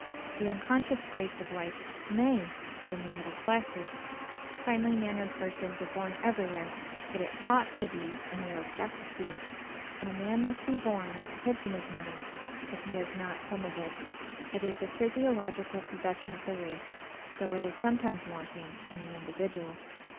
The unconscious grace of life MAY be in the middle classes: finely mannered persons are born everywhere; but it OUGHT to be in the aristocracy: and a man must be born with a hitch in his nerves if he has not some of it. It is a physiological possession of the race, though it is sometimes wanting in the individual.